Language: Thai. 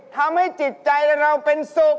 ทำให้จิตใจเราเป็นสุข